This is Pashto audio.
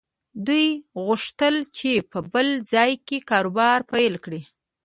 دوی غوښتل چې په بل ځای کې کاروبار پيل کړي.